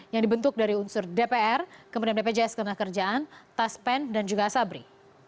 yang dibentuk dari unsur dpr kemudian bpjs ketenagakerjaan taspen dan juga asabri